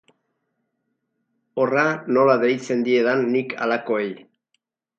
Horra nola deitzen diedan nik halakoei.